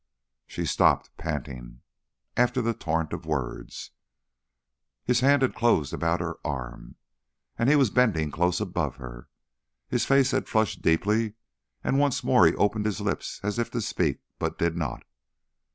She stopped, panting, after the torrent of words. His hand had closed about her arm, and he was bending close above her. His face had flushed deeply, and once more he opened his lips as if to speak, but did not.